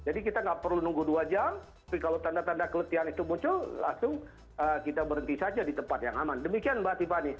jadi kita nggak perlu tunggu dua jam tapi kalau tanda tanda keletihan itu muncul langsung kita berhenti saja di tempat yang aman demikian mbak tiffany